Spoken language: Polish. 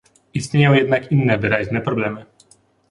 Istnieją jednak inne wyraźne problemy